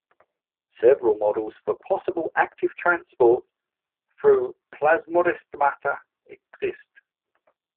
Several models for possible active transport through plasmodesmata exist.